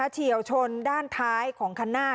เฉียวชนด้านท้ายของคันหน้า